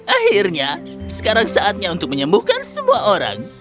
akhirnya sekarang saatnya untuk menyembuhkan semua orang